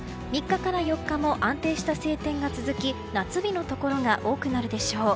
３日から４日も安定した晴天が続き夏日のところが多くなるでしょう。